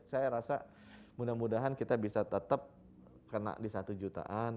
saya rasa mudah mudahan kita bisa tetap kena di satu jutaan